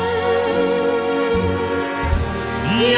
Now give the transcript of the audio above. ยอมอาสันก็พระปองเทศพองไทย